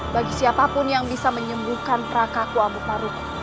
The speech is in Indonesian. bagi siapapun yang bisa menyembuhkan prakaku amu marugul